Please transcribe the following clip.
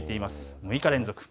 ６日連続。